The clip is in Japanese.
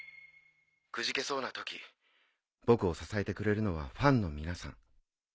くじけそうなとき僕を支えてくれるのはファンの皆さん君たちです。